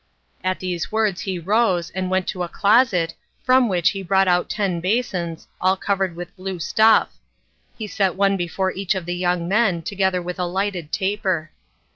At these words he rose, and went to a closet, from which he brought out ten basins, all covered with blue stuff. He set one before each of the young men, together with a lighted taper.